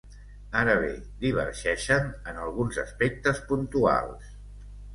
Ara bé divergeixen en alguns aspectes puntuals.